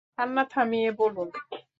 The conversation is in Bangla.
কান্না থামিয়ে বলুন।